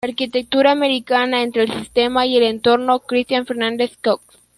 La arquitectura americana entre el sistema y el entorno", Cristian Fernández Cox.